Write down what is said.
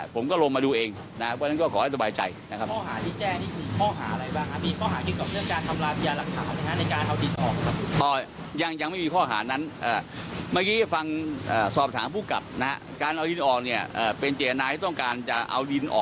ผมก็ลงมาดูเองนะฉะนั้นก็ขอให้สบายใจนะครับ